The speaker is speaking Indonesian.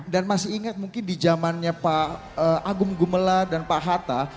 dan masih ingat mungkin di zamannya pak agung gumela dan pak hatta